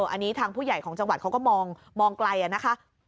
อันนี้ทางผู้ใหญ่ของจังหวัดเขาก็มองไกลนะคะ